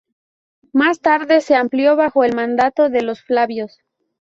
Más tarde se amplió bajo el mandato de los Flavios.